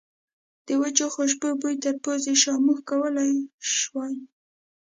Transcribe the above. د وچو خوشبو بوی تر پوزې شو، موږ کولای شوای.